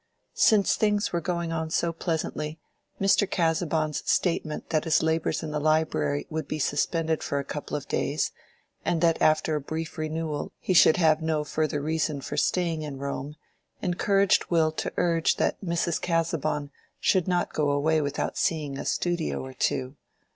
Since things were going on so pleasantly, Mr. Casaubon's statement that his labors in the Library would be suspended for a couple of days, and that after a brief renewal he should have no further reason for staying in Rome, encouraged Will to urge that Mrs. Casaubon should not go away without seeing a studio or two.